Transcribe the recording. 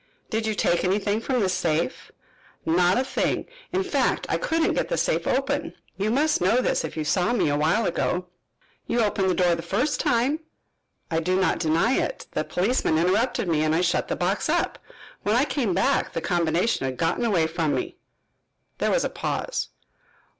"Did you take anything from the safe?" "Not a thing. In fact, I couldn't get the safe open. You must know this, if you saw me a while ago." "You opened the door the first time." "I do not deny it. The policeman interrupted me and I shut the box up. When I came back the combination had gotten away from me." There was a pause.